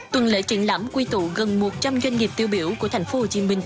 tuần lễ triển lãm quy tụ gần một trăm linh doanh nghiệp tiêu biểu của tp hcm